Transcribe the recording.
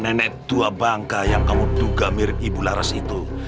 nenek tua bangka yang kamu dugamir ibu laras itu